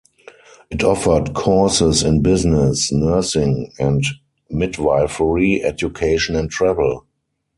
It offered courses in business, nursing and midwifery, education and travel.